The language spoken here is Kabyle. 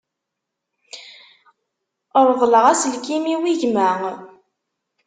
Reḍleɣ aselkim-iw i gma.